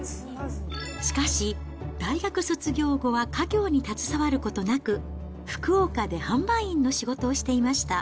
しかし、大学卒業後は家業に携わることなく、福岡で販売員の仕事をしていました。